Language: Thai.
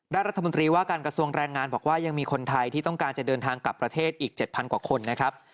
รัฐมนตรีว่าการกระทรวงแรงงานบอกว่ายังมีคนไทยที่ต้องการจะเดินทางกลับประเทศอีก๗๐๐กว่าคนนะครับ